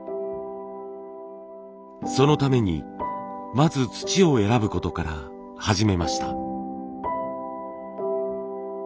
そのためにまず土を選ぶことから始めました。